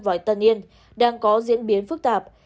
või tân yên đang có diễn biến phức tạp